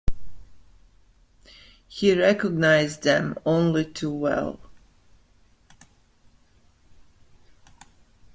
He recognised them only too well.